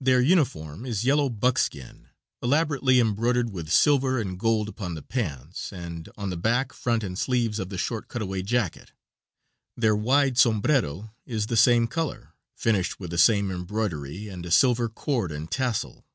Their uniform is yellow buckskin, elaborately embroidered with silver and gold, upon the pants and on the back, front and sleeves of the short cutaway jacket. Their wide sombrero is the same color, finished with the same embroidery and a silver cord and tassel.